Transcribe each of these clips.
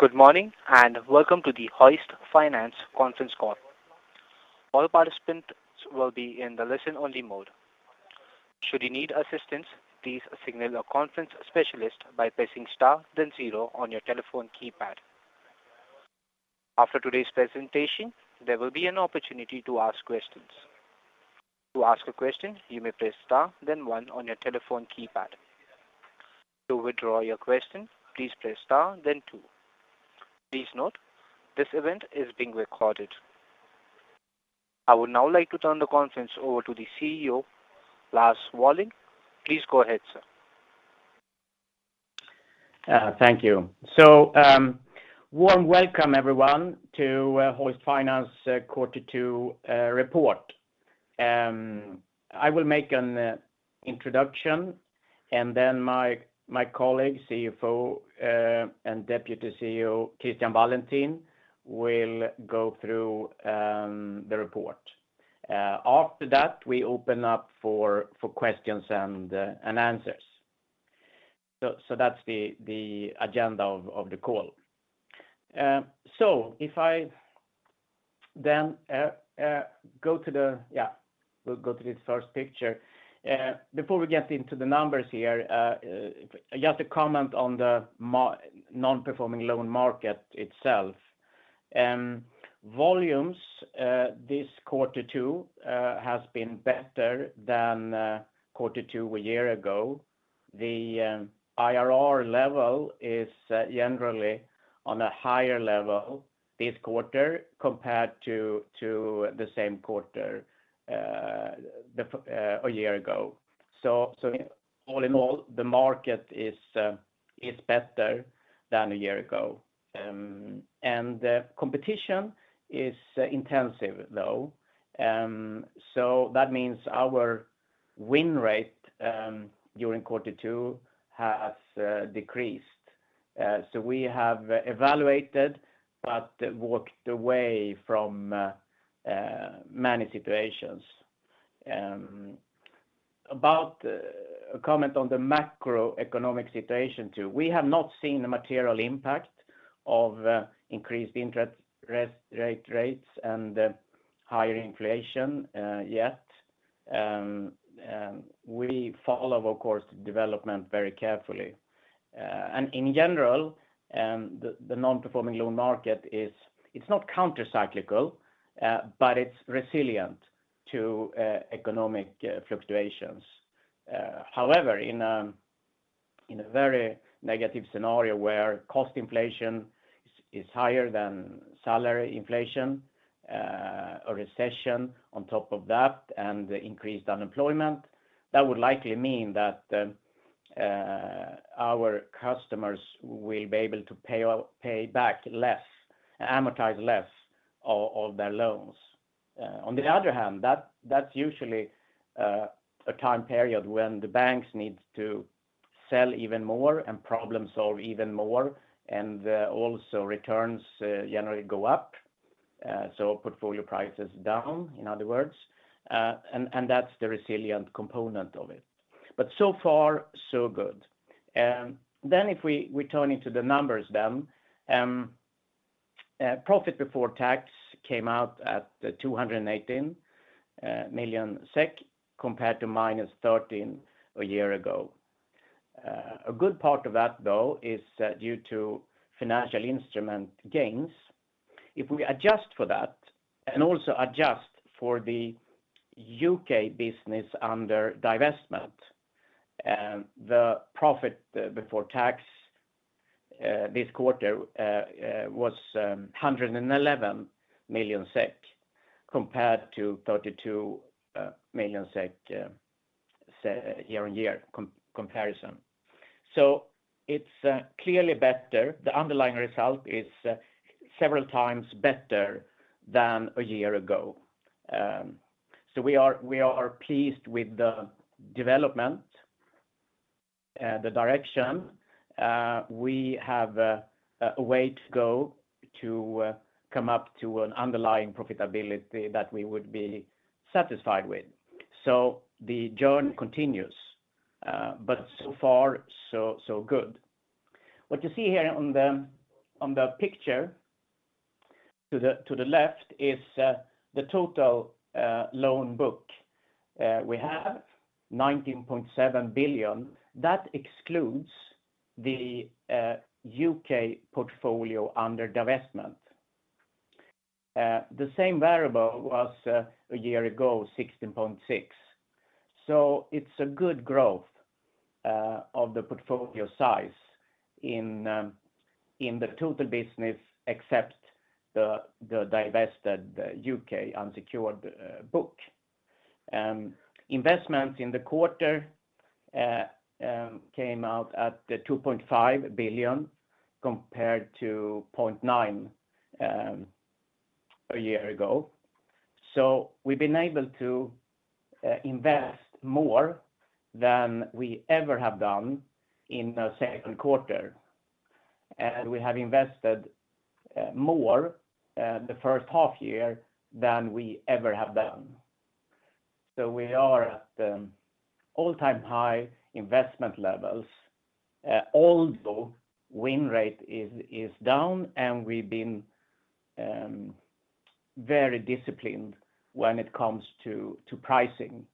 Good morning, and welcome to the Hoist Finance conference call. All participants will be in the listen-only mode. Should you need assistance, please signal your conference specialist by pressing star then zero on your telephone keypad. After today's presentation, there will be an opportunity to ask questions. To ask a question, you may press Star then one on your telephone keypad. To withdraw your question, please press Star then two. Please note, this event is being recorded. I would now like to turn the conference over to the CEO, Lars Wollung. Please go ahead, sir. Thank you. Warm welcome everyone to Hoist Finance Quarter Two report. I will make an introduction and then my colleague, CFO and Deputy CEO, Christian Wallentin, will go through the report. After that, we open up for questions and answers. That's the agenda of the call. If I then go to the. Yeah. We'll go to this first picture. Before we get into the numbers here, just a comment on the non-performing loan market itself. Volumes this quarter two has been better than quarter two a year ago. The IRR level is generally on a higher level this quarter compared to the same quarter a year ago. All in all, the market is better than a year ago. The competition is intensive, though. That means our win rate during quarter two has decreased. We have evaluated but walked away from many situations. A comment on the macroeconomic situation too. We have not seen the material impact of increased interest rates and higher inflation yet. We follow, of course, the development very carefully. In general, the non-performing loan market is not counter-cyclical, but it's resilient to economic fluctuations. However, in a very negative scenario where cost inflation is higher than salary inflation, a recession on top of that and increased unemployment, that would likely mean that our customers will be able to pay back less, amortize less of their loans. On the other hand, that's usually a time period when the banks need to sell even more and problem-solve even more, also returns generally go up. Portfolio prices down, in other words, and that's the resilient component of it. So far so good. If we return to the numbers, profit before tax came out at 218 million SEK compared to -13 million a year ago. A good part of that though is due to financial instrument gains. If we adjust for that and also adjust for the UK business under divestment, the profit before tax this quarter was 111 million SEK compared to 32 million SEK year-on-year comparison. It's clearly better. The underlying result is several times better than a year ago. We are pleased with the development, the direction. We have a way to go to come up to an underlying profitability that we would be satisfied with. The journey continues, but so far so good. What you see here on the picture to the left is the total loan book. We have 19.7 billion. That excludes the UK portfolio under divestment. The same variable was a year ago 16.6. It's a good growth of the portfolio size in the total business except the divested UK unsecured book. Investments in the quarter came out at 2.5 billion compared to 0.9 billion a year ago. We've been able to invest more than we ever have done in the second quarter. We have invested more the first half year than we ever have done. We are at all-time high investment levels although win rate is down and we've been very disciplined when it comes to pricing.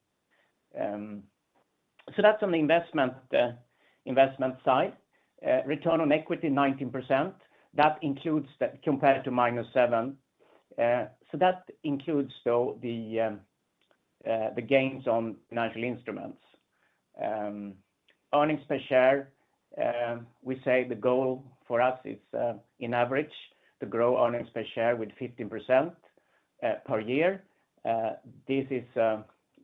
That's on the investment side. Return on equity 19%, that includes the compared to -7%. So that includes though the gains on financial instruments. Earnings per share, we say the goal for us is on average to grow earnings per share with 15% per year. This is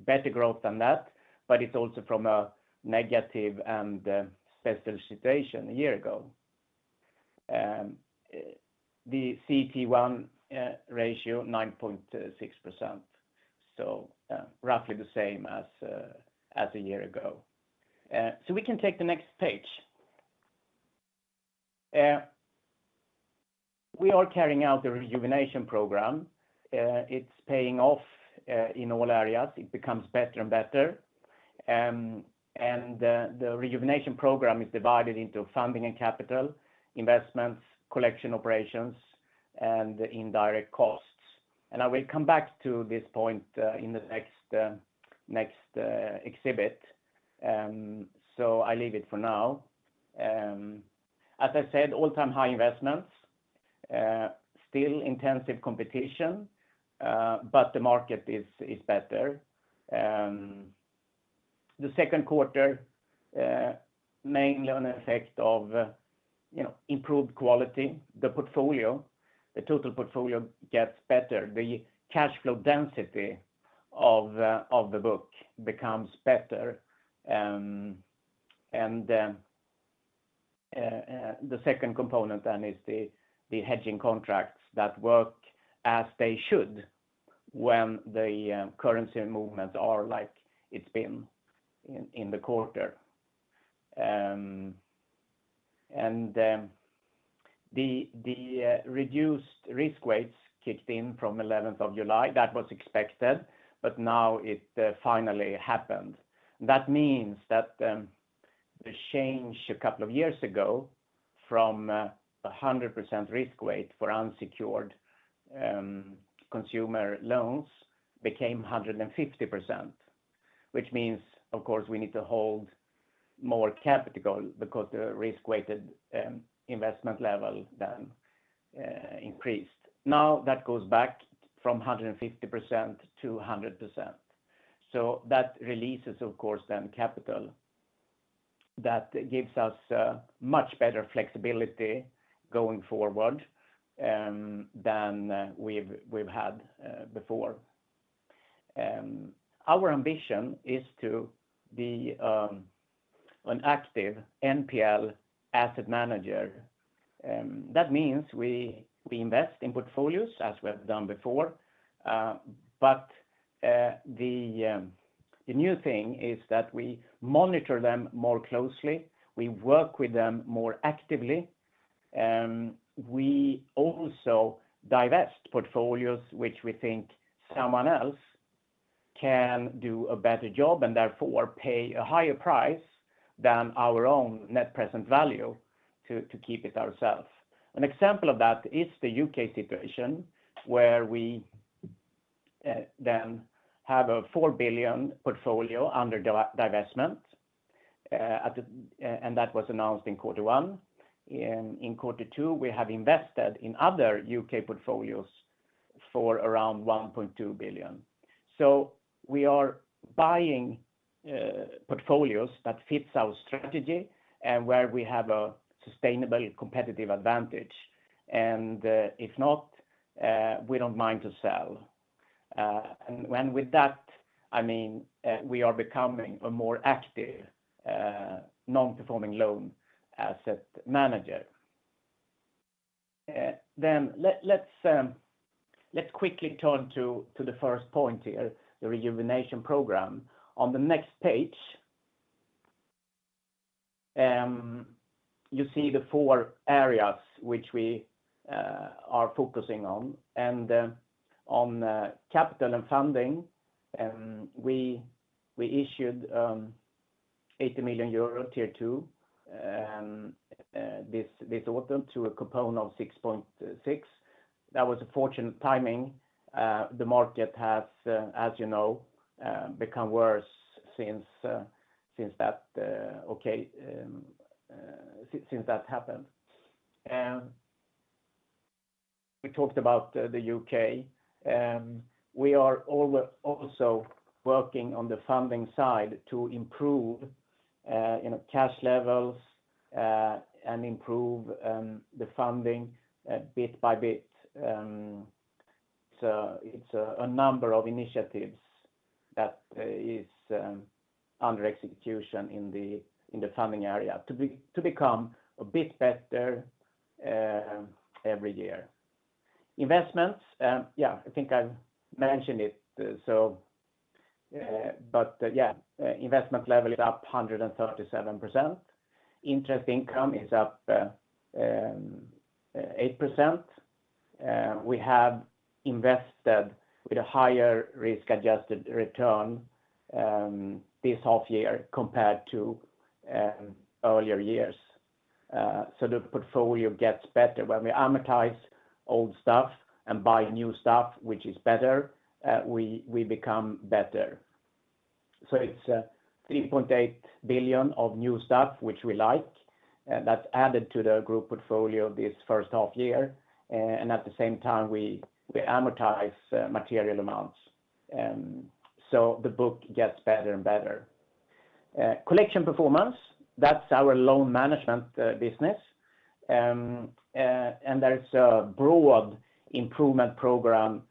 better growth than that, but it's also from a negative and special situation a year ago. The CET1 ratio 9.6%, so roughly the same as a year ago. We can take the next page. We are carrying out the rejuvenation program. It's paying off in all areas. It becomes better and better. The rejuvenation program is divided into funding and capital, investments, collection operations, and indirect costs. I will come back to this point in the next exhibit. I leave it for now. As I said, all-time high investments, still intensive competition, but the market is better. The second quarter mainly the effect of, you know, improved quality. The portfolio, the total portfolio gets better. The cash flow density of the book becomes better. The second component then is the hedging contracts that work as they should when the currency movements are like it's been in the quarter. The reduced risk weights kicked in from July 11, 2022. That was expected, but now it finally happened. That means that the change a couple of years ago from 100% risk weight for unsecured consumer loans became 150%. Which means, of course, we need to hold more capital because the risk-weighted investment level then increased. Now that goes back from 150% to 100%. That releases of course then capital that gives us much better flexibility going forward than we've had before. Our ambition is to be an active NPL asset manager. That means we invest in portfolios as we have done before. The new thing is that we monitor them more closely. We work with them more actively. We also divest portfolios, which we think someone else can do a better job and therefore pay a higher price than our own net present value to keep it ourself. An example of that is the UK situation where we then have a 4 billion portfolio under divestment. That was announced in quarter one. In quarter two, we have invested in other UK portfolios for around 1.2 billion. We are buying portfolios that fits our strategy and where we have a sustainable competitive advantage. If not, we don't mind to sell. With that, I mean, we are becoming a more active non-performing loan asset manager. Let's quickly turn to the first point here, the rejuvenation program. On the next page, you see the four areas which we are focusing on and on capital and funding, we issued 80 million euro Tier 2 this autumn to a coupon of 6.6. That was a fortunate timing. The market has, as you know, become worse since that happened. We talked about the UK. We are also working on the funding side to improve, you know, cash levels and improve the funding bit by bit. It's a number of initiatives that is under execution in the funding area to become a bit better every year. Investments. Yeah, I think I've mentioned it. Investment level is up 137%. Interest income is up 8%. We have invested with a higher risk adjusted return this half year compared to earlier years. The portfolio gets better when we amortize old stuff and buy new stuff, which is better. We become better. It's 3.8 billion of new stuff which we like. That's added to the group portfolio this first half year. At the same time we amortize material amounts. The book gets better and better. Collection performance, that's our loan management business. There is a broad improvement program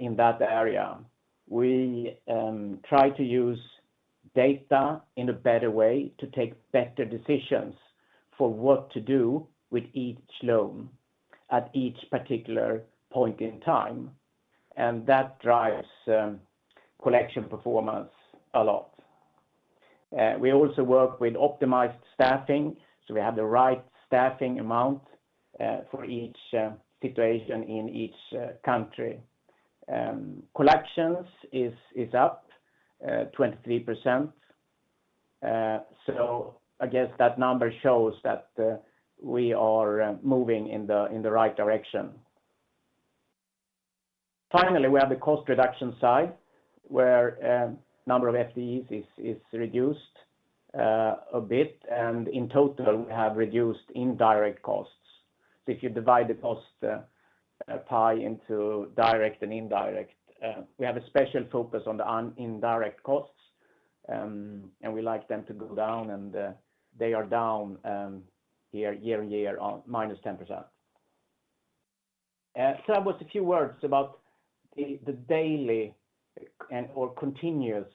in that area. We try to use data in a better way to take better decisions for what to do with each loan at each particular point in time and that drives collection performance a lot. We also work with optimized staffing, so we have the right staffing amount for each situation in each country. Collections is up 23%. So I guess that number shows that we are moving in the right direction. Finally, we have the cost reduction side where number of FTEs is reduced a bit and in total we have reduced indirect costs. If you divide the cost pie into direct and indirect, we have a special focus on the indirect costs, and we like them to go down and they are down year-on-year 10%. That was a few words about the daily and/or continuous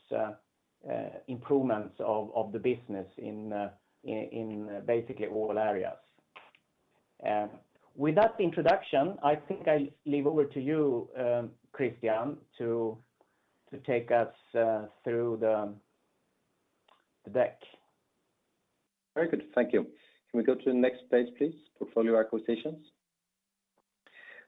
improvements of the business in basically all areas. With that introduction, I think I'll hand over to you, Christian, to take us through the deck. Very good. Thank you. Can we go to the next page, please? Portfolio acquisitions.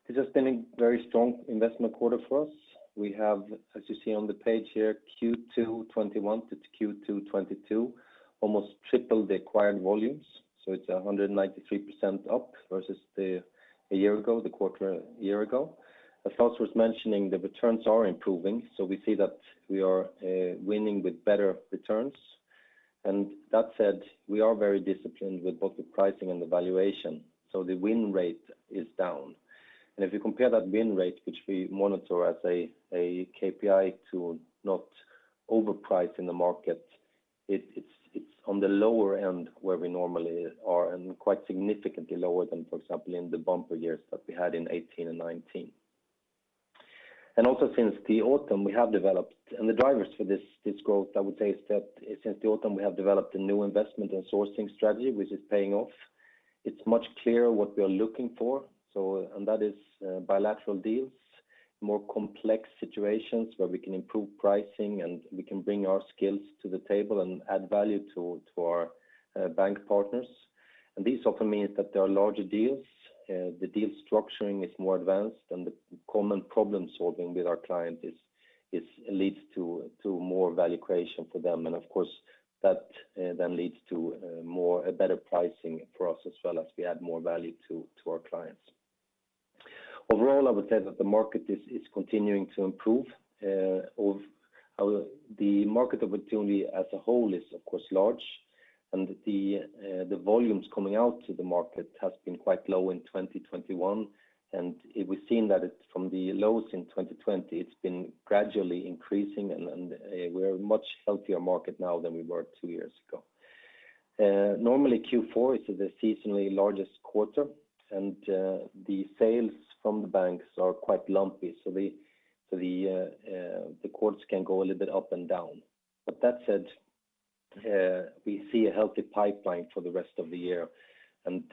This has been a very strong investment quarter for us. We have, as you see on the page here, Q2 2021 to Q2 2022 almost triple the acquired volumes. It's 193% up versus the quarter a year ago. As Lars was mentioning, the returns are improving. We see that we are winning with better returns. That said, we are very disciplined with both the pricing and the valuation. The win rate is down. If you compare that win rate, which we monitor as a KPI to not overprice in the market, it's on the lower end where we normally are and quite significantly lower than, for example, in the bumper years that we had in 2018 and 2019. The drivers for this growth I would say is that since the autumn we have developed a new investment and sourcing strategy which is paying off. It's much clearer what we are looking for. That is bilateral deals, more complex situations where we can improve pricing and we can bring our skills to the table and add value to our bank partners. This often means that there are larger deals. The deal structuring is more advanced and the common problem solving with our client leads to more value creation for them. Of course, that leads to a better pricing for us as well as we add more value to our clients. Overall, I would say that the market is continuing to improve. The market opportunity as a whole is of course large and the volumes coming out to the market has been quite low in 2021 and we've seen that it from the lows in 2020 it's been gradually increasing and we're a much healthier market now than we were two years ago. Normally Q4 is the seasonally largest quarter and the sales from the banks are quite lumpy so the quarters can go a little bit up and down. That said, we see a healthy pipeline for the rest of the year and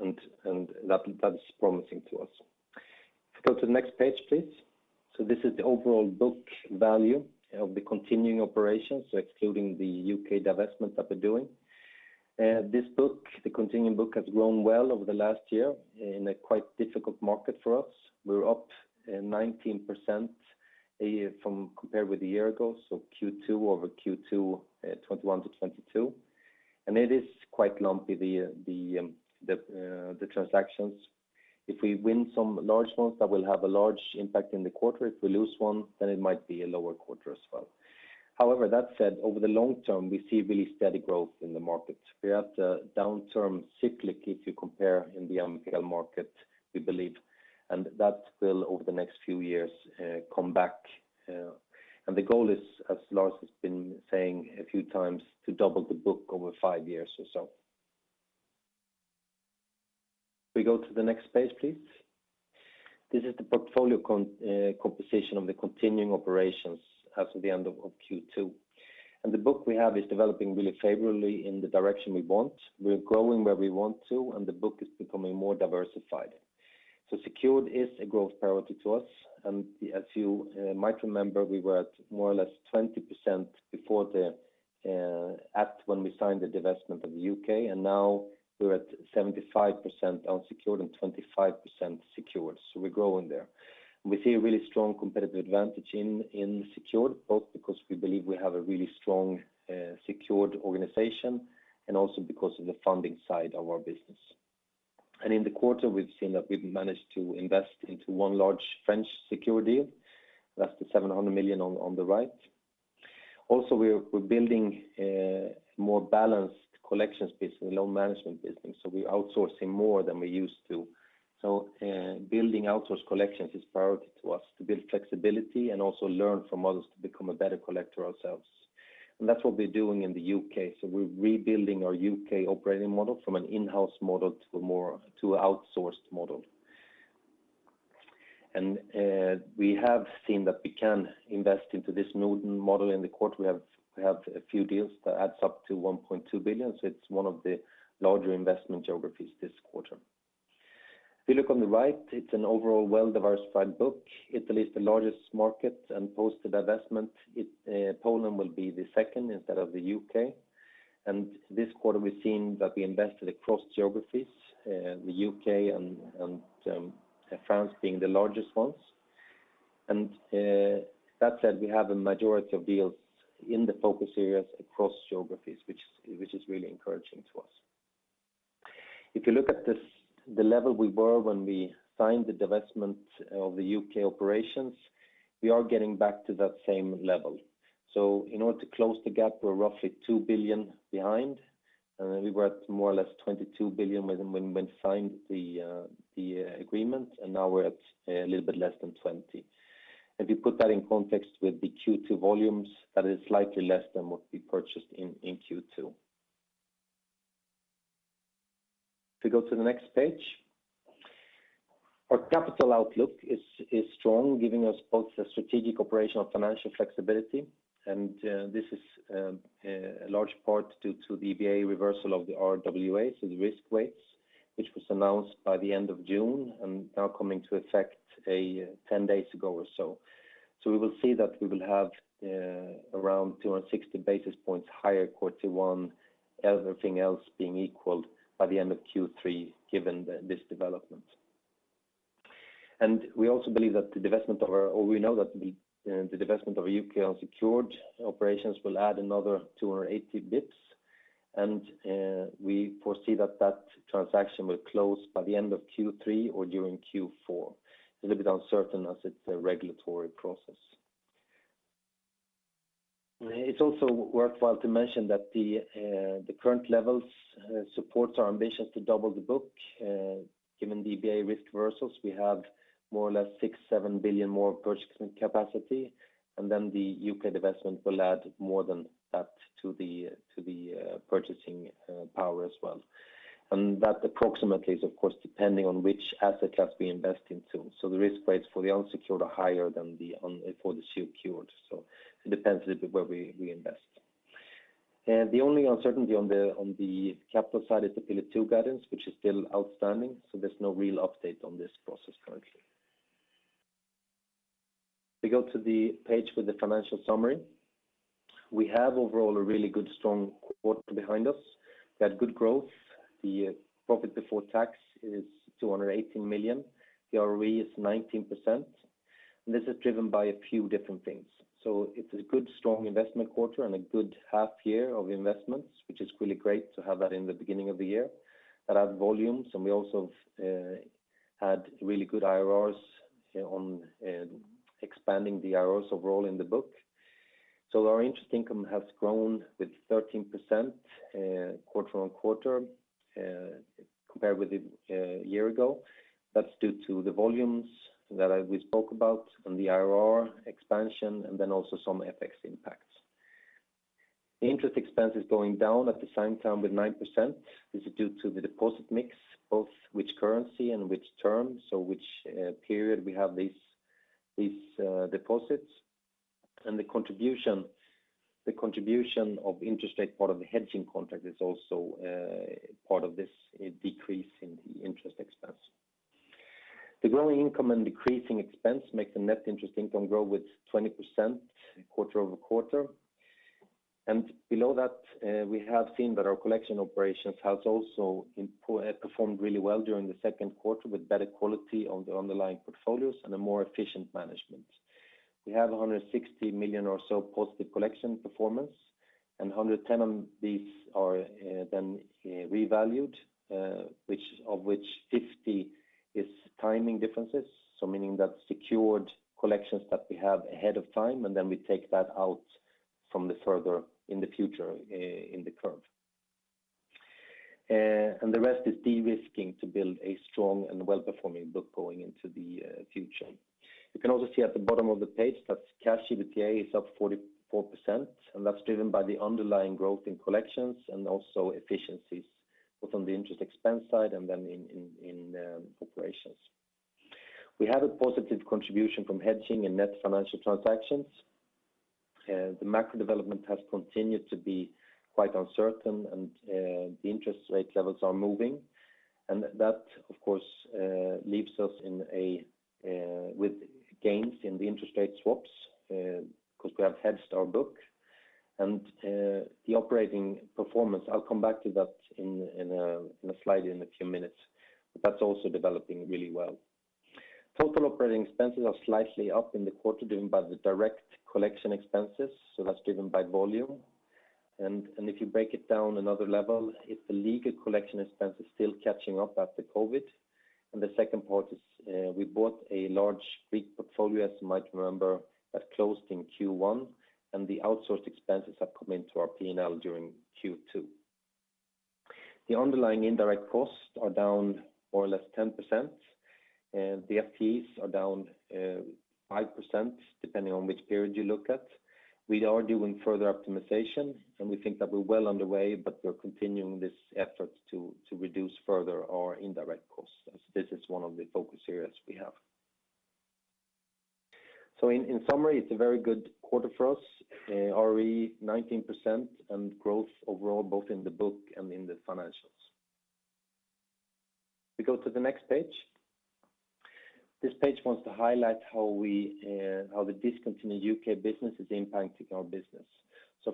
that is promising to us. If we go to the next page please. This is the overall book value of the continuing operations, so excluding the UK divestment that we're doing. This book, the continuing book has grown well over the last year in a quite difficult market for us. We're up 19% year-over-year compared with a year ago, so Q2 over Q2, 2021 to 2022. It is quite lumpy, the transactions. If we win some large ones that will have a large impact in the quarter. If we lose one, it might be a lower quarter as well. However, that said, over the long term, we see really steady growth in the market. We are at a cyclical downturn if you compare in the NPL market, we believe, and that will over the next few years come back. The goal is, as Lars has been saying a few times, to double the book over five years or so. We go to the next page, please. This is the portfolio composition of the continuing operations as of the end of Q2. The book we have is developing really favorably in the direction we want. We're growing where we want to and the book is becoming more diversified. Secured is a growth priority to us and as you might remember we were at more or less 20% before, at when we signed the divestment of the UK, and now we're at 75% unsecured and 25% secured. We're growing there. We see a really strong competitive advantage in secured, both because we believe we have a really strong secured organization and also because of the funding side of our business. In the quarter, we've seen that we've managed to invest into one large French secured deal. That's 700 million on the right. Also, we're building a more balanced collections business and loan management business, so we're outsourcing more than we used to. Building outsourced collections is priority to us to build flexibility and also learn from others to become a better collector ourselves. That's what we're doing in the UK. We're rebuilding our UK operating model from an in-house model to an outsourced model. We have seen that we can invest into this new model in the quarter. We have a few deals that adds up to 1.2 billion. It's one of the larger investment geographies this quarter. If you look on the right, it's an overall well-diversified book. Italy is the largest market, and post the divestment, it, Poland will be the second instead of the UK. This quarter, we've seen that we invested across geographies, the UK and France being the largest ones. That said, we have a majority of deals in the focus areas across geographies, which is really encouraging to us. If you look at the level we were when we signed the divestment of the UK operations, we are getting back to that same level. In order to close the gap, we're roughly 2 billion behind. We were at more or less 22 billion when we signed the agreement, and now we're at a little bit less than 20 billion. If you put that in context with the Q2 volumes, that is slightly less than what we purchased in Q2. If you go to the next page. Our capital outlook is strong, giving us both a strategic operational financial flexibility. This is a large part due to the EBA reversal of the RWA, so the risk weights, which was announced by the end of June and now coming to effect 10 days ago or so. We will see that we will have around 260 basis points higher Q1, everything else being equal by the end of Q3, given this development. We also believe that the divestment of our or we know that the divestment of UK unsecured operations will add another 280 basis points. We foresee that transaction will close by the end of Q3 or during Q4. A little bit uncertain as it's a regulatory process. It's also worthwhile to mention that the current levels supports our ambitions to double the book given the EBA risk reversals. We have more or less 6-7 billion more purchasing capacity, and then the UK divestment will add more than that to the purchasing power as well. That approximately is, of course, depending on which asset class we invest into. The risk rates for the unsecured are higher than for the secured. It depends a bit where we invest. The only uncertainty on the capital side is the Pillar II guidance, which is still outstanding. There's no real update on this process currently. We go to the page with the financial summary. We have overall a really good strong quarter behind us. We had good growth. The profit before tax is 218 million. The ROE is 19%. This is driven by a few different things. It's a good strong investment quarter and a good half year of investments, which is really great to have that in the beginning of the year. That adds volumes, and we also have had really good IRRs on expanding the IRRs overall in the book. Our interest income has grown with 13%, quarter-over-quarter, compared with the year ago. That's due to the volumes that we spoke about and the IRR expansion and then also some FX impacts. The interest expense is going down at the same time with 9%. This is due to the deposit mix, both which currency and which term, so which period we have these deposits. The contribution of interest rate part of the hedging contract is also part of this decrease in the interest expense. The growing income and decreasing expense make the net interest income grow with 20% quarter-over-quarter. Below that, we have seen that our collection operations has also performed really well during the second quarter with better quality on the underlying portfolios and a more efficient management. We have 160 million or so positive collection performance, and 110 of these are then revalued, of which 50 is timing differences. Meaning that secured collections that we have ahead of time, and then we take that out from the further in the future in the curve. The rest is de-risking to build a strong and well-performing book going into the future. You can also see at the bottom of the page that cash EBITDA is up 44%, and that's driven by the underlying growth in collections and also efficiencies, both on the interest expense side and then in operations. We have a positive contribution from hedging and net financial transactions. The macro development has continued to be quite uncertain, and the interest rate levels are moving. That, of course, leaves us with gains in the interest rate swaps, because we have hedged our book, and the operating performance. I'll come back to that in a slide in a few minutes, but that's also developing really well. Total operating expenses are slightly up in the quarter driven by the direct collection expenses, so that's driven by volume. If you break it down another level, it's the legal collection expense is still catching up after COVID. The second part is, we bought a large Greek portfolio, as you might remember, that closed in Q1 and the outsourced expenses have come into our P&L during Q2. The underlying indirect costs are down more or less 10%. The FTEs are down 5%, depending on which period you look at. We are doing further optimization, and we think that we're well underway, but we're continuing this effort to reduce further our indirect costs, as this is one of the focus areas we have. In summary, it's a very good quarter for us. ROE 19% and growth overall, both in the book and in the financials. We go to the next page. This page wants to highlight how the discount in the UK business is impacting our business.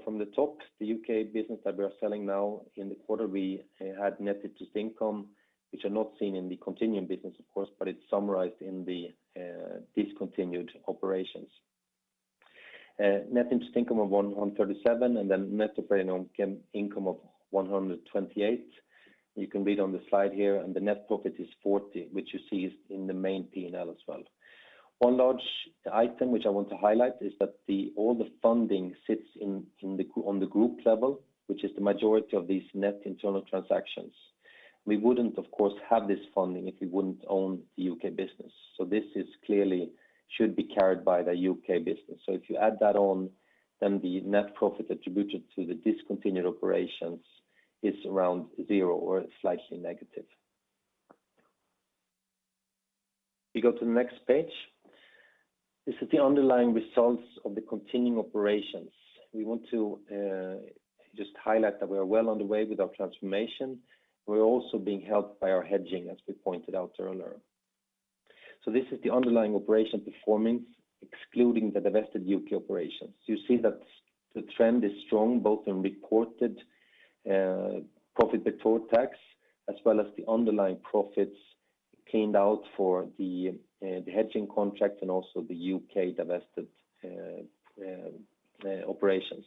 From the top, the UK business that we are selling now in the quarter, we had net interest income, which are not seen in the continuing business of course, but it's summarized in the discontinued operations. Net interest income of 137 and then net operating income of 128. You can read on the slide here, and the net profit is 40, which you see is in the main P&L as well. One large item which I want to highlight is that all the funding sits on the group level, which is the majority of these net internal transactions. We wouldn't, of course, have this funding if we wouldn't own the UK business. This is clearly should be carried by the UK business. If you add that on, then the net profit attributed to the discontinued operations is around zero or slightly negative. We go to the next page. This is the underlying results of the continuing operations. We want to just highlight that we are well on the way with our transformation. We're also being helped by our hedging, as we pointed out earlier. This is the underlying operation performance, excluding the divested UK operations. You see that the trend is strong, both in reported profit before tax as well as the underlying profits cleaned out for the hedging contract and also the UK divested operations.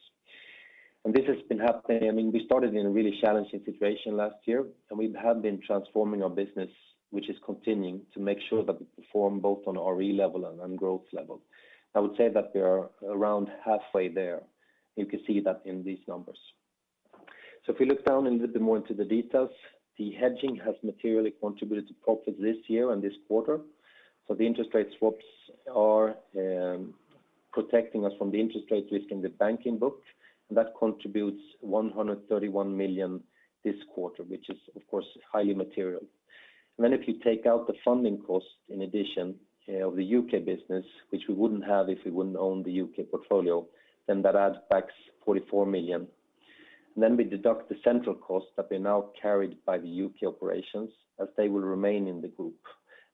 This has been happening. I mean, we started in a really challenging situation last year, and we have been transforming our business which is continuing to make sure that we perform both on ROE level and on growth level. I would say that we are around halfway there. You can see that in these numbers. If you look down a little bit more into the details, the hedging has materially contributed to profit this year and this quarter. The interest rate swaps are protecting us from the interest rate risk in the banking book, and that contributes 131 million this quarter, which is of course highly material. Then if you take out the funding cost in addition to the UK business, which we wouldn't have if we wouldn't own the UK portfolio, then that adds back 44 million. Then we deduct the central costs that are now carried by the UK operations as they will remain in the group.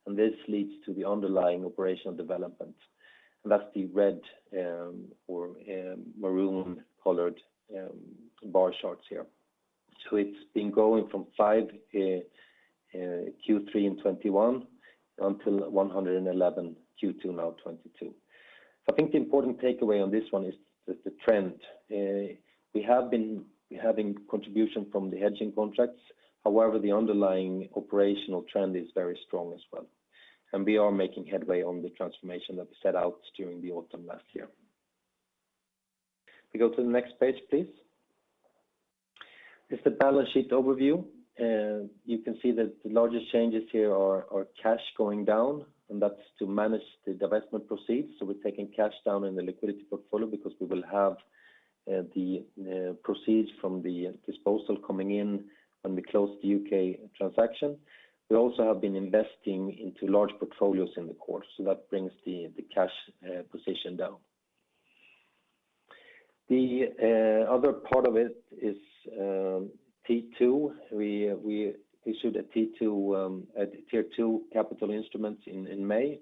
This leads to the underlying operational development. That's the red or maroon colored bar charts here. So it's been going from 5 Q3 in 2021 until 111 Q2 now 2022. I think the important takeaway on this one is the trend. We have been having contribution from the hedging contracts. However, the underlying operational trend is very strong as well. We are making headway on the transformation that we set out during the autumn last year. We go to the next page, please. It's the balance sheet overview. You can see that the largest changes here are cash going down, and that's to manage the divestment proceeds. We're taking cash down in the liquidity portfolio because we will have the proceeds from the disposal coming in when we close the UK transaction. We also have been investing into large portfolios in the course. That brings the cash position down. The other part of it is T2. We issued a T2 tier two capital instruments in May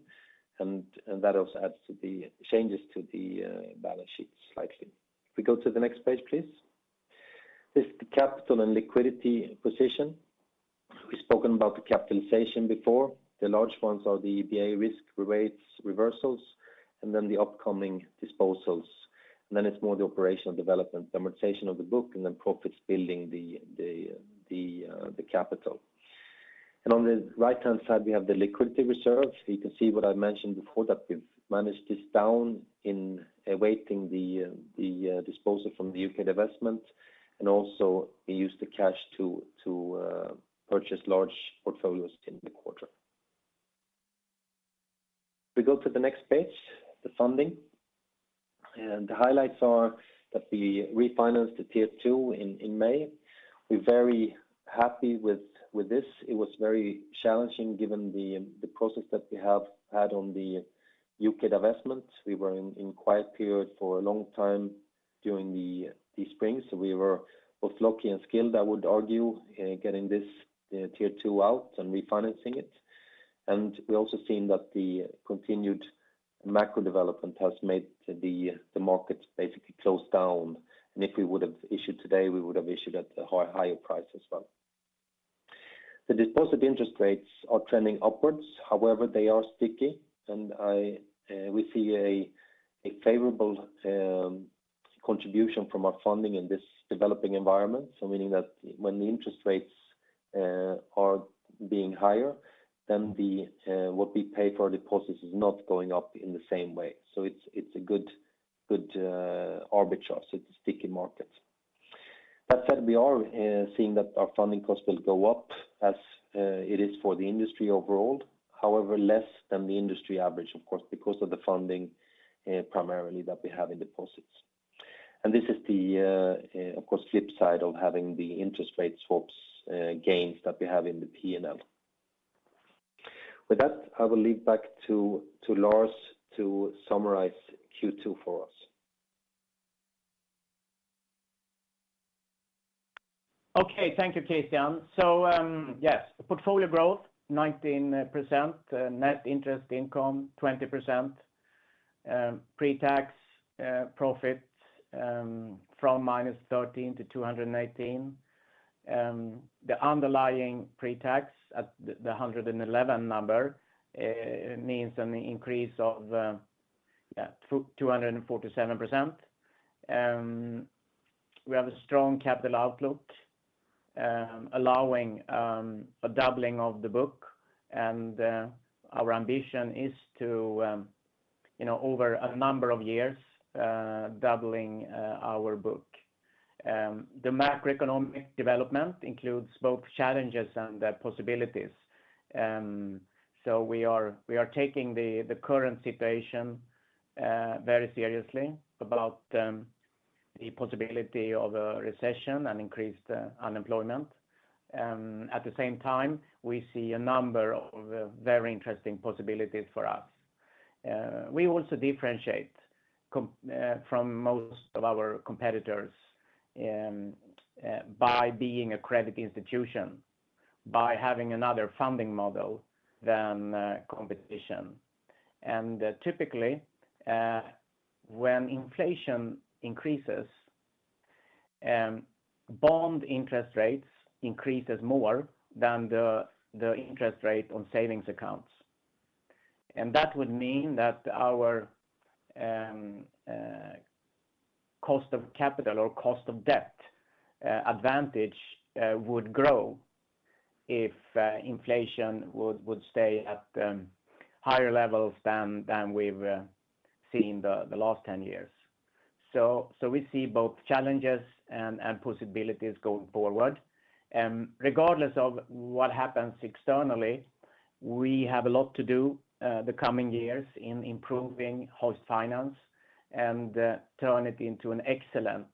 and that also adds to the changes to the balance sheet slightly. We go to the next page, please. This is the capital and liquidity position. We've spoken about the capitalization before. The large ones are the EBA risk weights reversals and then the upcoming disposals. Then it's more the operational development, amortization of the book and then profits building the capital. On the right-hand side, we have the liquidity reserve. You can see what I mentioned before that we've managed this down in awaiting the disposal from the UK divestment. We also used the cash to purchase large portfolios in the quarter. We go to the next page, the funding. The highlights are that we refinanced the Tier 2 in May. We very happy with this. It was very challenging given the process that we have had on the UK divestment. We were in quiet period for a long time during the spring. We were both lucky and skilled, I would argue, in getting the Tier 2 out and refinancing it. We also seen that the continued macro development has made the markets basically close down. If we would have issued today, we would have issued at a higher price as well. The deposit interest rates are trending upwards, however, they are sticky and we see a favorable contribution from our funding in this developing environment. Meaning that when the interest rates are being higher than what we pay for deposits is not going up in the same way. It's a good arbitrage. It's sticky markets. That said, we are seeing that our funding costs will go up as it is for the industry overall, however less than the industry average, of course, because of the funding primarily that we have in deposits. This is the, of course, flip side of having the interest rate swaps gains that we have in the P&L. With that, I will hand back to Lars to summarize Q2 for us. Okay. Thank you, Christian. Yes, the portfolio growth 19%, net interest income 20%, pre-tax profits from -13-218. The underlying pre-tax at the 111 number means an increase of yeah, 247%. We have a strong capital outlook, allowing a doubling of the book and our ambition is to you know, over a number of years, doubling our book. The macroeconomic development includes both challenges and the possibilities. We are taking the current situation very seriously about the possibility of a recession and increased unemployment. At the same time, we see a number of very interesting possibilities for us. We also differentiate from most of our competitors by being a credit institution, by having another funding model than competition. Typically, when inflation increases, bond interest rates increases more than the interest rate on savings accounts. That would mean that our cost of capital or cost of debt advantage would grow if inflation would stay at higher levels than we've seen the last 10 years. We see both challenges and possibilities going forward. Regardless of what happens externally, we have a lot to do the coming years in improving Hoist Finance and turn it into an excellent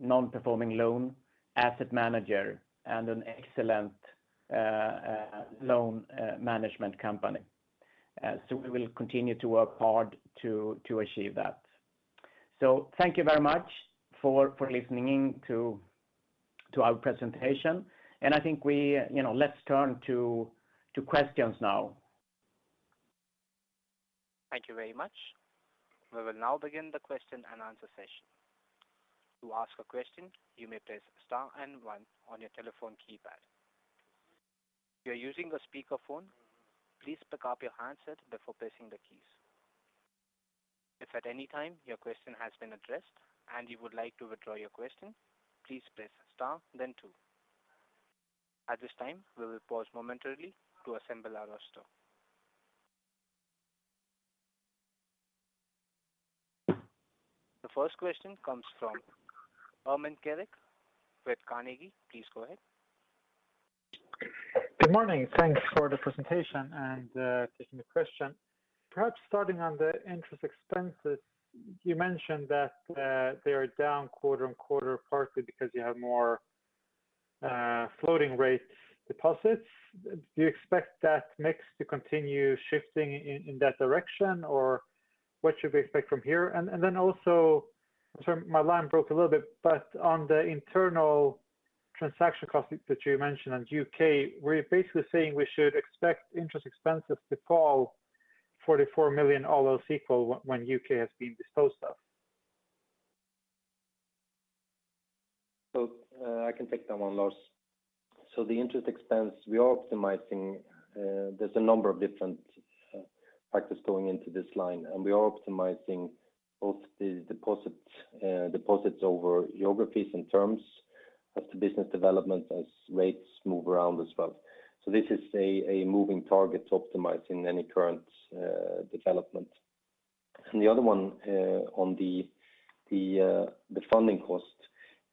non-performing loan asset manager and an excellent loan management company. We will continue to work hard to achieve that. Thank you very much for listening to our presentation. I think you know, let's turn to questions now. Thank you very much. We will now begin the question and answer session. To ask a question, you may press star and one on your telephone keypad. If you're using a speakerphone, please pick up your handset before pressing the keys. If at any time your question has been addressed and you would like to withdraw your question, please press star then two. At this time, we will pause momentarily to assemble our roster. The first question comes from Ermin Kerić with Carnegie. Please go ahead. Good morning. Thanks for the presentation and taking the question. Perhaps starting on the interest expenses, you mentioned that they are down quarter on quarter, partly because you have more floating rate deposits. Do you expect that mix to continue shifting in that direction or what should we expect from here? Then also. Sorry, my line broke a little bit. But on the internal transaction costs that you mentioned on UK, were you basically saying we should expect interest expenses to fall 44 million all else equal when UK has been disposed of? I can take that one, Lars. The interest expense, we are optimizing. There's a number of different factors going into this line, and we are optimizing both the deposits over geographies in terms of the business development as rates move around as well. This is a moving target to optimizing any current development. The other one on the funding cost,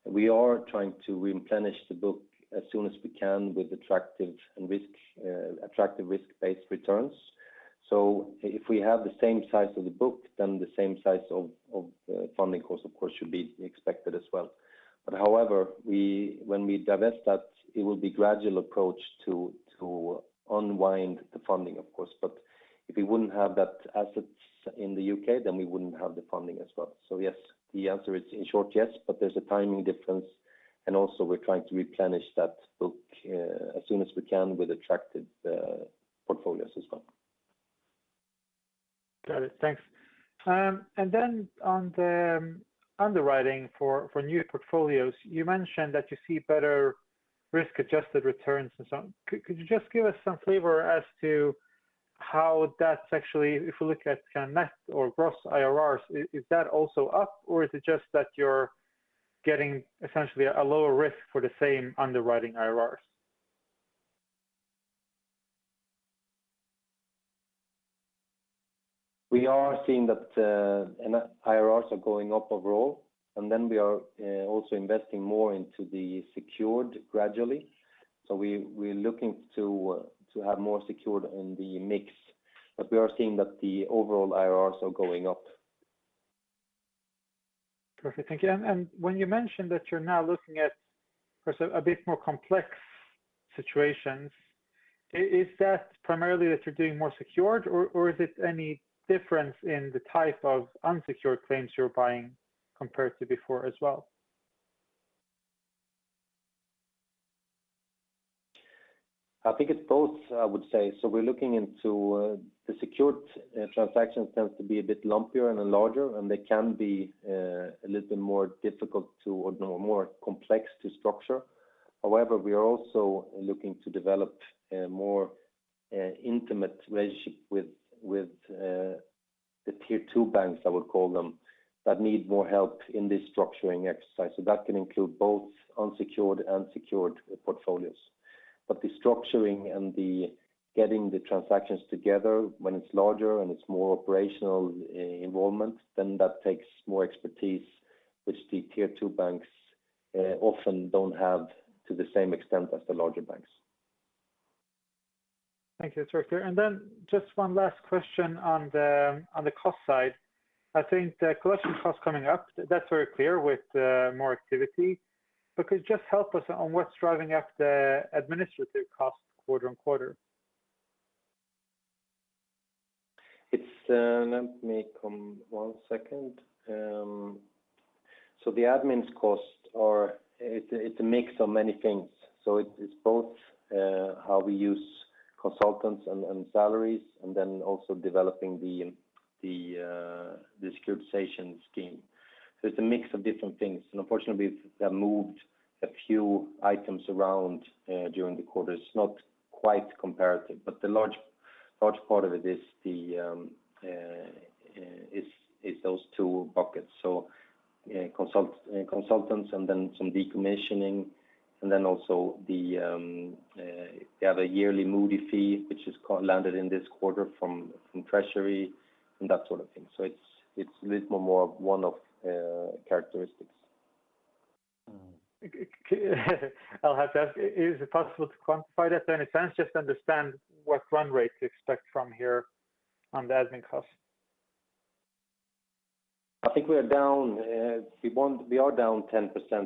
we are trying to replenish the book as soon as we can with attractive risk-based returns. If we have the same size of the book, then the same size of the funding cost, of course, should be expected as well. However, when we divest that, it will be gradual approach to unwind the funding, of course. If we wouldn't have those assets in the UK, then we wouldn't have the funding as well. Yes, the answer is in short, yes, but there's a timing difference. Also we're trying to replenish that book, as soon as we can with attractive portfolios as well. Got it. Thanks. On the underwriting for new portfolios, you mentioned that you see better risk-adjusted returns and so on. Could you just give us some flavor as to how that's actually, if we look at kind of net or gross IRRs, is that also up or is it just that you're getting essentially a lower risk for the same underwriting IRRs? We are seeing that IRRs are going up overall, and then we are also investing more into the secured gradually. We're looking to have more secured in the mix. We are seeing that the overall IRRs are going up. Perfect. Thank you. When you mentioned that you're now looking at per se a bit more complex situations, is that primarily that you're doing more secured or is it any difference in the type of unsecured claims you're buying compared to before as well? I think it's both, I would say. We're looking into the secured transactions tend to be a bit lumpier and larger, and they can be a little bit more difficult or more complex to structure. However, we are also looking to develop a more intimate relationship with the tier two banks, I would call them, that need more help in this structuring exercise. That can include both unsecured and secured portfolios. The structuring and getting the transactions together when it's larger and it's more operational involvement, then that takes more expertise, which the tier two banks often don't have to the same extent as the larger banks. Thank you. That's very clear. Just one last question on the cost side. I think the collection costs coming up. That's very clear with more activity. Could you just help us on what's driving up the administrative costs quarter-over-quarter? Let me come one second. The admin costs are a mix of many things. It's both how we use consultants and salaries and then also developing the securitization scheme. It's a mix of different things. Unfortunately, we have moved a few items around during the quarter. It's not quite comparable, but the large part of it is those two buckets. Consultants and then some decommissioning and then also the other yearly Moody's fee, which is allocated in this quarter from treasury and that sort of thing. It's a little more one-off characteristics. I'll have to ask, is it possible to quantify that in a sense, just understand what run rate to expect from here on the admin costs? I think we are down 10%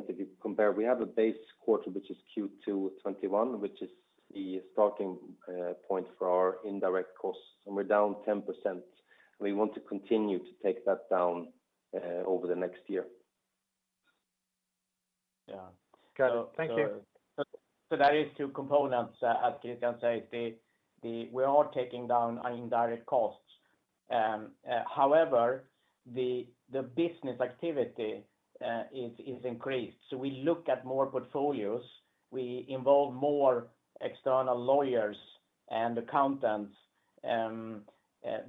if you compare. We have a base quarter, which is Q2 2021, which is the starting point for our indirect costs, and we're down 10%. We want to continue to take that down over the next year. Yeah. Got it. Thank you. That is two components. As you can see, we are taking down our indirect costs. However, the business activity is increased. We look at more portfolios. We involve more external lawyers and accountants,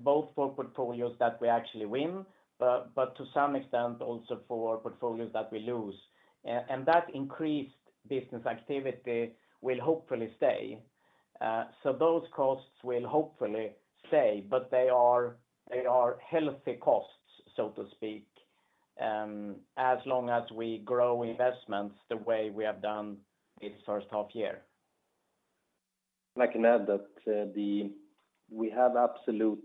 both for portfolios that we actually win, but to some extent also for portfolios that we lose. That increased business activity will hopefully stay. Those costs will hopefully stay. They are healthy costs, so to speak, as long as we grow investments the way we have done this first half year. I can add that we have absolute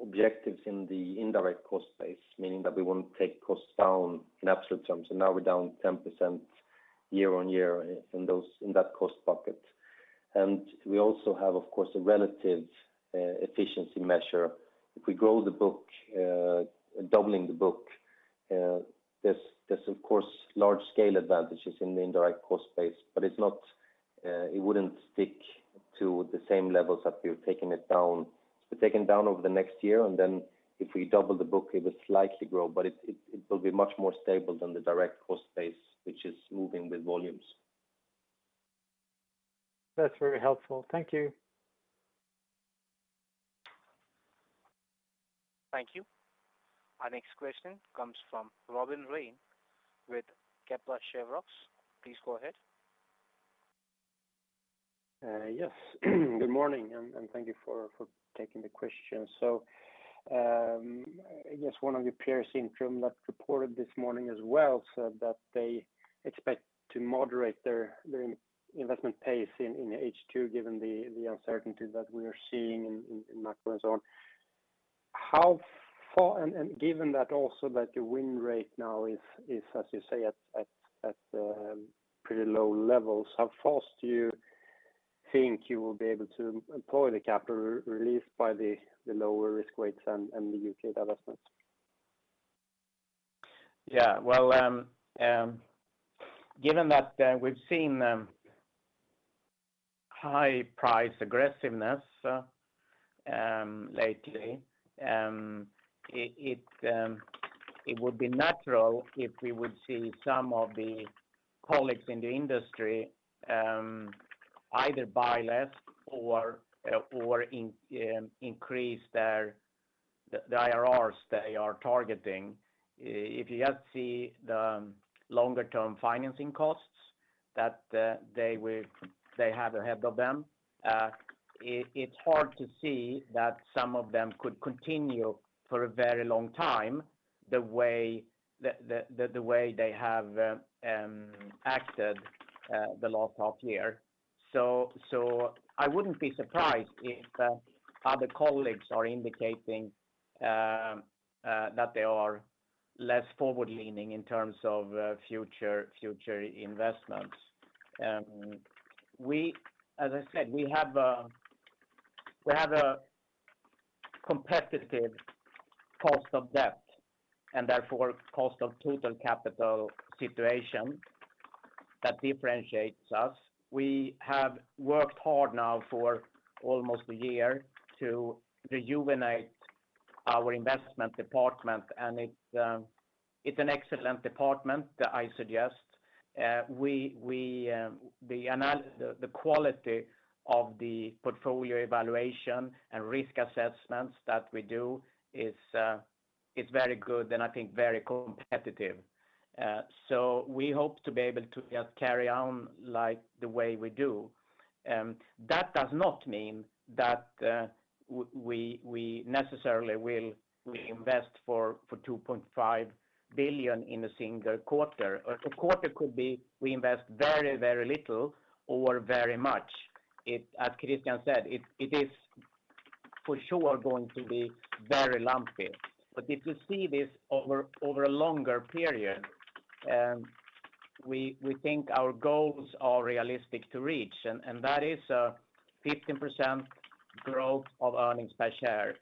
objectives in the indirect cost base, meaning that we want to take costs down in absolute terms. Now we're down 10% year-over-year in that cost bucket. We also have, of course, a relative efficiency measure. If we grow the book, doubling the book, there's of course large-scale advantages in the indirect cost base, but it wouldn't stick to the same levels that we're taking it down. It's been taken down over the next year, and then if we double the book, it will slightly grow, but it will be much more stable than the direct cost base, which is moving with volumes. That's very helpful. Thank you. Thank you. Our next question comes from Robin Rane with Kepler Cheuvreux. Please go ahead. Yes. Good morning, and thank you for taking the question. So I guess one of your peers in That reported this morning as well said that they expect to moderate their investment pace in H2 given the uncertainty that we are seeing in macro and so on. How far and given that also your win rate now is as you say at pretty low levels, how fast do you think you will be able to employ the capital released by the lower risk weights and the UK divestments? Well, given that we've seen high price aggressiveness lately, it would be natural if we would see some of the colleagues in the industry either buy less or increase their IRRs they are targeting. If you just see the longer term financing costs that they have ahead of them, it's hard to see that some of them could continue for a very long time the way they have acted the last half year. I wouldn't be surprised if other colleagues are indicating that they are less forward leaning in terms of future investments. As I said, we have a competitive cost of debt and therefore cost of total capital situation that differentiates us. We have worked hard now for almost a year to rejuvenate our investment department, and it's an excellent department I suggest. The quality of the portfolio evaluation and risk assessments that we do is very good and I think very competitive. We hope to be able to just carry on like the way we do. That does not mean that we necessarily will invest for 2.5 billion in a single quarter. A quarter could be we invest very little or very much. As Christian said, it is for sure going to be very lumpy. If you see this over a longer period, we think our goals are realistic to reach and that is 15% growth of earnings per share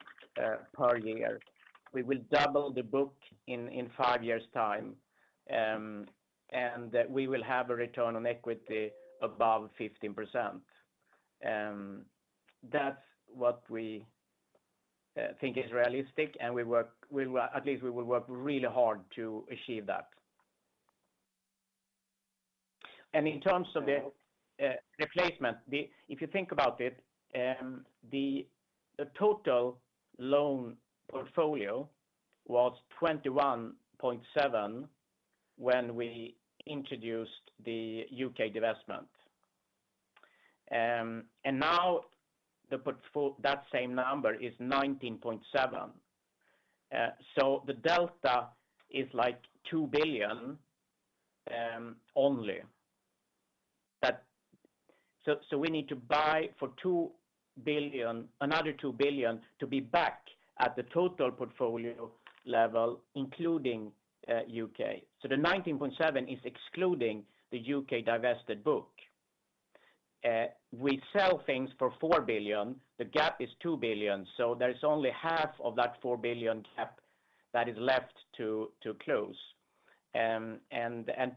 per year. We will double the book in 5 years' time, and we will have a return on equity above 15%. That's what we think is realistic, and we will at least work really hard to achieve that. In terms of the replacement, if you think about it, the total loan portfolio was 21.7 billion when we introduced the UK divestment. And now that same number is 19.7 billion. So the delta is like 2 billion only. We need to buy 2 billion, another 2 billion to be back at the total portfolio level, including UK. The 19.7 is excluding the UK divested book. We sell things for 4 billion. The gap is 2 billion. There is only half of that 4 billion gap that is left to close. And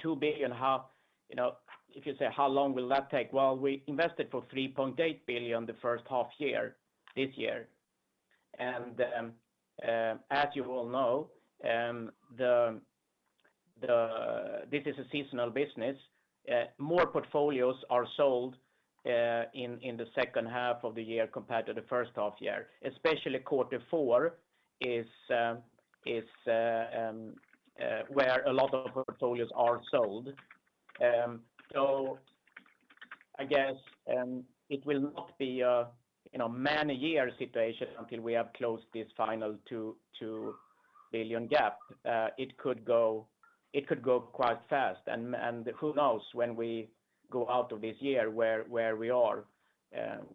two billion half, you know, if you say how long will that take? Well, we invested 3.8 billion the first half year this year. As you all know, this is a seasonal business. More portfolios are sold in the second half of the year compared to the first half year, especially quarter four is where a lot of portfolios are sold. I guess it will not be a you know man-year situation until we have closed this final 2 billion gap. It could go quite fast and who knows when we go out of this year where we are.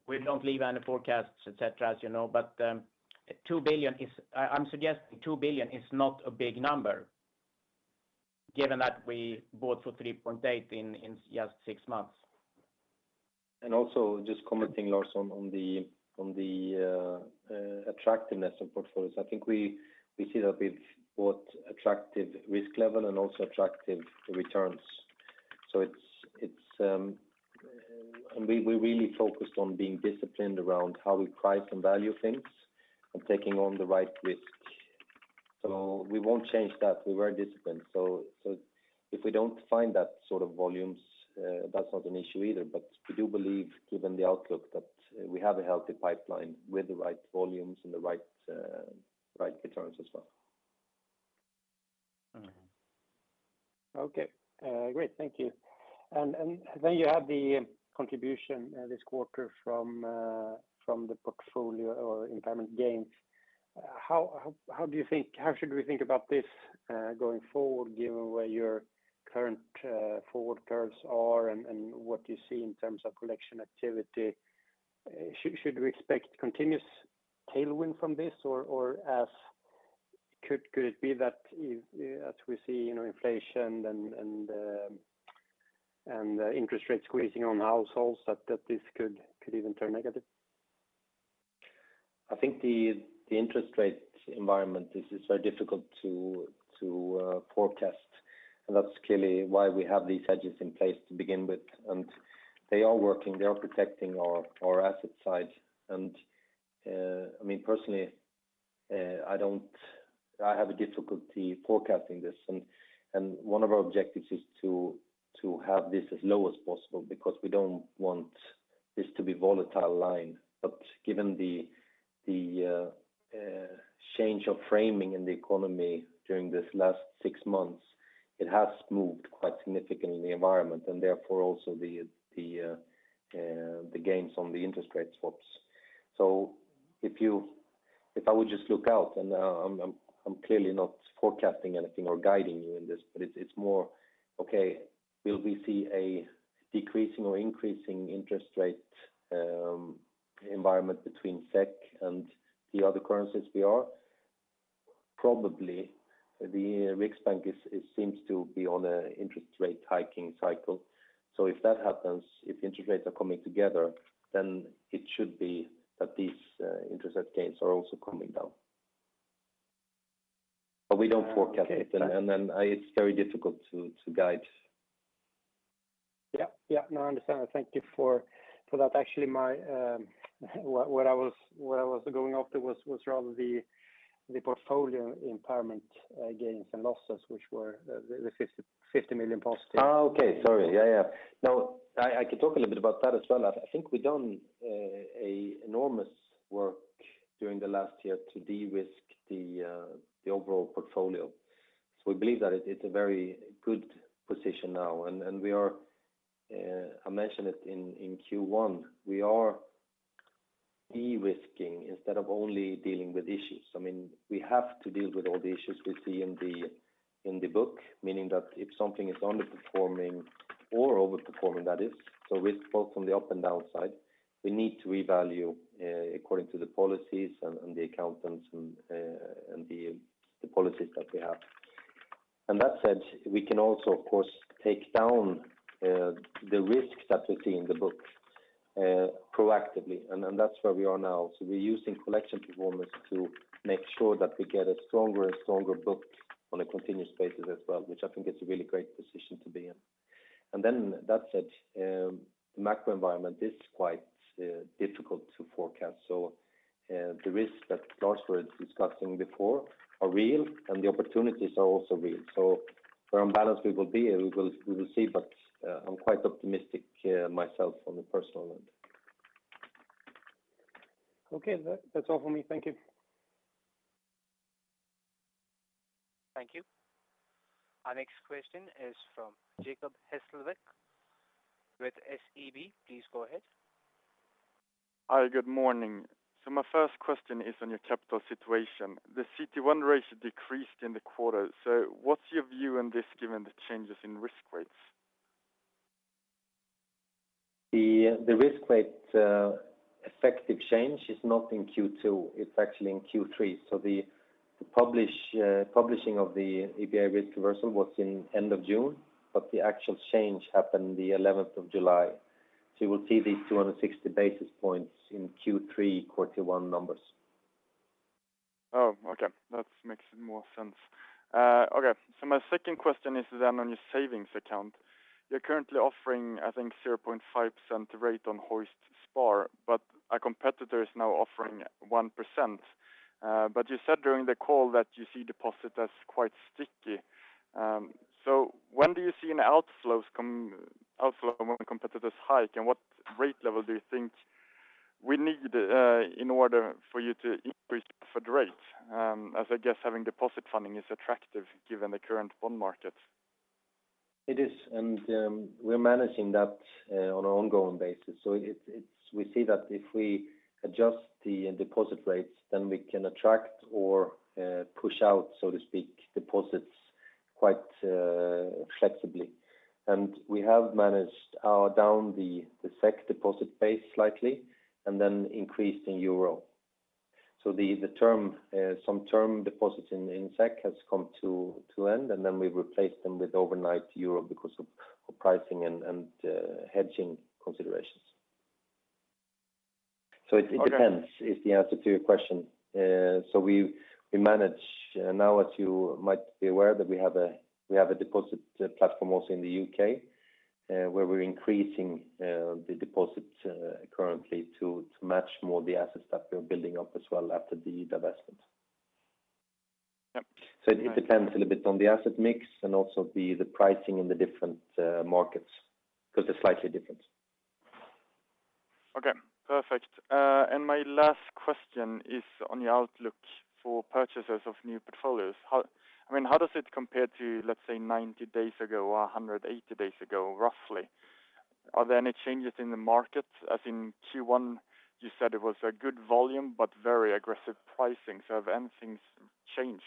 We don't leave any forecasts et cetera, as you know. 2 billion is. I'm suggesting 2 billion is not a big number given that we bought for 3.8 billion in just six months. Just commenting, Lars Wollung, on the attractiveness of portfolios. I think we see that with both attractive risk level and also attractive returns. It's and we really focused on being disciplined around how we price and value things and taking on the right risk. We won't change that. We were disciplined. If we don't find that sort of volumes, that's not an issue either. We do believe given the outlook that we have a healthy pipeline with the right volumes and the right returns as well. Okay. Great. Thank you. You have the contribution this quarter from the portfolio or impairment gains. How should we think about this going forward, given where your current forward curves are and what you see in terms of collection activity? Should we expect continuous tailwind from this or could it be that if we see, you know, inflation and interest rates squeezing on households that this could even turn negative? I think the interest rate environment is very difficult to forecast, and that's clearly why we have these hedges in place to begin with. They are working, they are protecting our asset side. I mean, personally, I have a difficulty forecasting this. One of our objectives is to have this as low as possible because we don't want this to be volatile line. Given the change of framing in the economy during this last six months, it has moved quite significantly in the environment and therefore also the gains on the interest rate swaps. If I would just look out and, I'm clearly not forecasting anything or guiding you in this, but it's more, okay, will we see a decreasing or increasing interest rate environment between SEK and the other currencies we are? Probably the Riksbank seems to be on a interest rate hiking cycle. If that happens, if interest rates are coming together, then it should be that these interest rate gains are also coming down. We don't forecast it. Okay. It's very difficult to guide. Yeah. No, I understand. Thank you for that. Actually, what I was going after was rather the portfolio impairment gains and losses, which were the 50 million positive. Oh, okay. Sorry. Yeah. No, I can talk a little bit about that as well. I think we've done an enormous work during the last year to de-risk the overall portfolio. We believe that it's a very good position now. We are. I mentioned it in Q1. We are de-risking instead of only dealing with issues. I mean, we have to deal with all the issues we see in the book, meaning that if something is underperforming or overperforming that is, so risk both on the up and down side, we need to revalue according to the policies and the accountants and the policies that we have. That said, we can also of course take down the risks that we see in the books proactively. That's where we are now. We're using collection performance to make sure that we get a stronger and stronger book on a continuous basis as well, which I think is a really great position to be in. Then that said, the macro environment is quite difficult to forecast. The risks that Lars was discussing before are real and the opportunities are also real. Where on balance we will be, we will see. I'm quite optimistic myself on the personal end. Okay. That's all for me. Thank you. Thank you. Our next question is from Jacob Hesselberg with SEB. Please go ahead. Hi, good morning. My first question is on your capital situation. The CET1 ratio decreased in the quarter. What's your view on this given the changes in risk rates? The risk rate effective change is not in Q2, it's actually in Q3. The publishing of the EBA risk reversal was in end of June, but the actual change happened the July 11, 2022. You will see these 260 basis points in Q3 quarter one numbers. Oh, okay. That makes more sense. Okay. My second question is then on your savings account. You're currently offering, I think 0.5% rate on HoistSpar, but a competitor is now offering 1%. You said during the call that you see deposit as quite sticky. When do you see an outflow when competitors hike? What rate level do you think we need in order for you to increase offered rates? As I guess having deposit funding is attractive given the current bond market. It is. We're managing that on an ongoing basis. It's. We see that if we adjust the deposit rates, then we can attract or push out, so to speak, deposits quite flexibly. We have managed down the SEK deposit base slightly and then increased in euro. The term, some term deposits in SEK have come to end, and then we've replaced them with overnight euro because of pricing and hedging considerations. It depends. Okay. Is the answer to your question. We manage now, as you might be aware that we have a deposit platform also in the UK, where we're increasing the deposits currently to match more the assets that we're building up as well after the divestment. Yeah. It depends a little bit on the asset mix and also the pricing in the different markets because they're slightly different. Okay, perfect. My last question is on your outlook for purchasers of new portfolios. I mean, how does it compare to, let's say, 90 days ago or 180 days ago, roughly? Are there any changes in the market? As in Q1, you said it was a good volume but very aggressive pricing. Have any things changed?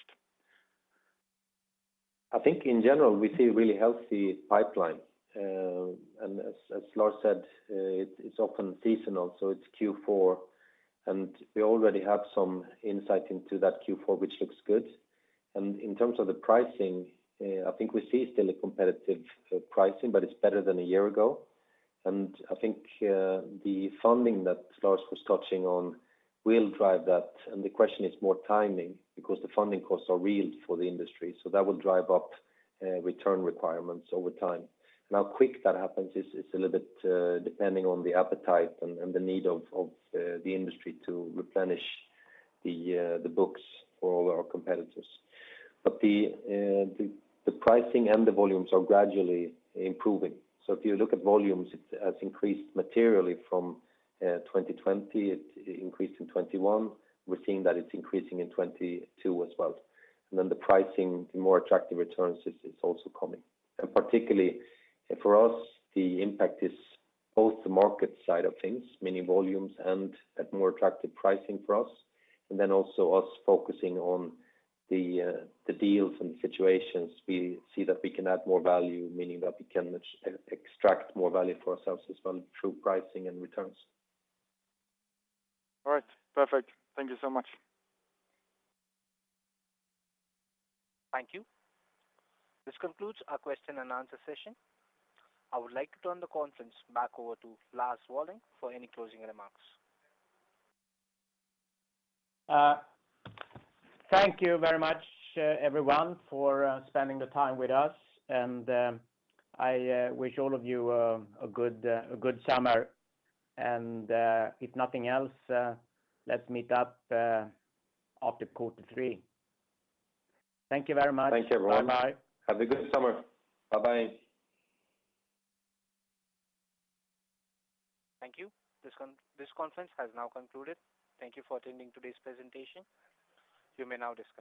I think in general, we see a really healthy pipeline. As Lars said, it's often seasonal, so it's Q4, and we already have some insight into that Q4, which looks good. In terms of the pricing, I think we see still a competitive pricing, but it's better than a year ago. I think the funding that Lars was touching on will drive that. The question is more timing because the funding costs are real for the industry. That will drive up return requirements over time. How quick that happens is a little bit depending on the appetite and the need of the industry to replenish the books for all our competitors. The pricing and the volumes are gradually improving. If you look at volumes, it has increased materially from 2020. It increased in 2021. We're seeing that it's increasing in 2022 as well. The pricing, the more attractive returns is also coming. Particularly for us, the impact is both the market side of things, meaning volumes and at more attractive pricing for us, and then also us focusing on the deals and situations we see that we can add more value, meaning that we can extract more value for ourselves as well through pricing and returns. All right. Perfect. Thank you so much. Thank you. This concludes our question and answer session. I would like to turn the conference back over to Lars Wollung for any closing remarks. Thank you very much, everyone for spending the time with us. I wish all of you a good summer. If nothing else, let's meet up after quarter three. Thank you very much. Thanks, everyone. Bye-bye. Have a good summer. Bye-bye. Thank you. This conference has now concluded. Thank you for attending today's presentation. You may now disconnect.